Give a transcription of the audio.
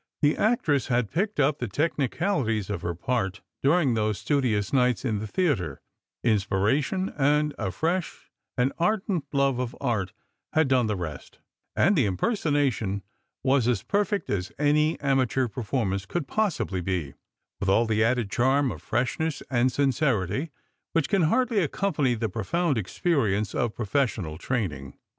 The actress had picked up the technicalities of her part during those studious nights in the theatre ; inspiration and a fresh and ardent love of art had done the rest, and the impersonation was as perfect as any amateur performance can possibly be, with all the added charm of freshness and sincerity which can hardly accompany the profound experience of professional training.